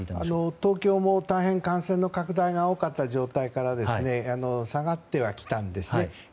東京も大変感染の拡大が多かった状態から下がってはきたんですね。